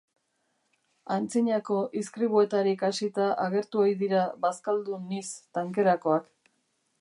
Antzinako izkribuetarik hasita agertu ohi dira bazkaldu niz tankerakoak.